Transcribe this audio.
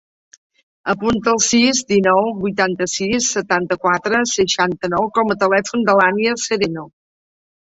Apunta el sis, dinou, vuitanta-sis, setanta-quatre, seixanta-nou com a telèfon de l'Ànnia Sereno.